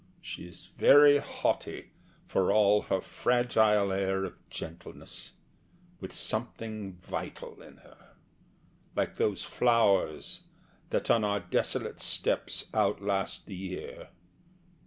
She is very haughty, For all her fragile air of gentleness; With something vital in her, like those flowers That on our desolate steppes outlast the year.